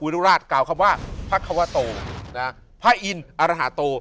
รุราชกล่าวคำว่าพระควโตพระอินทรอรหาโต